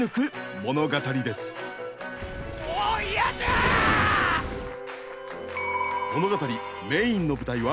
物語メインの舞台は東海地方。